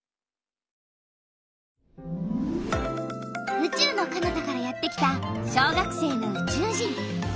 うちゅうのかなたからやってきた小学生のうちゅう人！